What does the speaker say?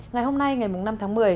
ngày hôm nay ngày năm tháng một mươi